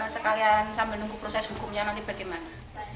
sekalian sambil nunggu proses hukumnya nanti bagaimana